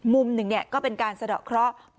มุมหนึ่งก็เป็นการสะดอกเคราะห์